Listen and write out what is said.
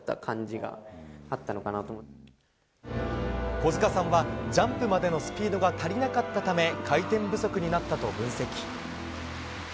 小塚さんは、ジャンプまでのスピードが足りなかったため回転不足になったと分析。